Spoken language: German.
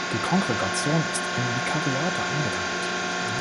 Die Kongregation ist in Vikariate eingeteilt.